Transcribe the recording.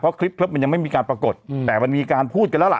เพราะคลิปมันยังไม่มีการปรากฏแต่มันมีการพูดกันแล้วล่ะ